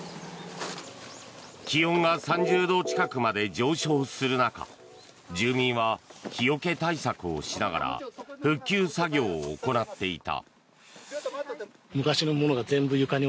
気温が３０度近くまで上昇する中住民は日よけ対策をしながら復旧作業を行っていた。